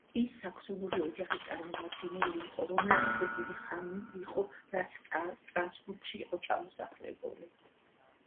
ის საქსონური ოჯახის წარმომადგენელი იყო, რომელიც უკვე დიდი ხანი იყო, რაც სტრასბურგში იყო ჩამოსახლებული.